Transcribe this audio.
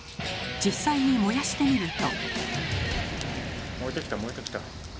実際に燃やしてみると。